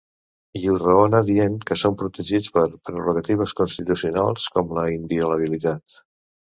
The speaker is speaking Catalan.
I ho raona dient que són protegits per prerrogatives constitucionals, com la inviolabilitat.